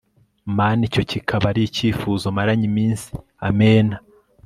Mana icyo kikaba ari ikifuzo maranye iminsi Amen